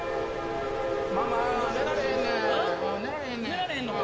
寝られへんのか？